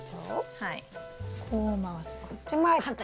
はい。